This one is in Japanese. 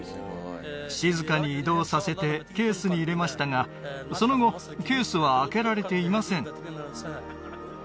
静かに移動させてケースに入れましたがその後ケースは開けられていません